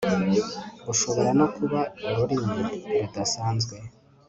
bushobora no kuba ururimi rudasanzwe